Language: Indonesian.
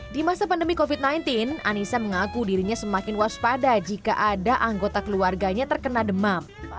di masa pandemi covid sembilan belas anissa mengaku dirinya semakin waspada jika ada anggota keluarganya terkena demam